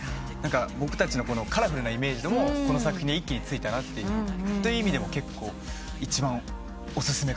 僕たちのカラフルなイメージもこの作品で一気についたっていう意味でも結構一番お薦めかなと。